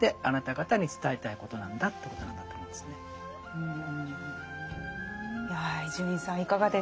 うん。